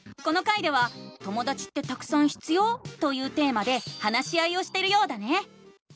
この回では「ともだちってたくさん必要？」というテーマで話し合いをしてるようだね！